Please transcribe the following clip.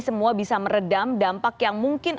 semua bisa meredam dampak yang mungkin